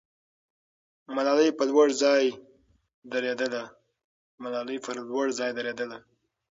ملالۍ په لوړ ځای درېدله.